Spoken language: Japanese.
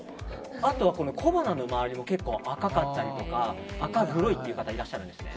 あとは小鼻の周りも結構、赤かったり赤黒い方いらっしゃるんですね。